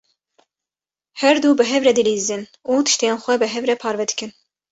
Her du bi hev re dilîzin û tiştên xwe bi hev re parve dikin.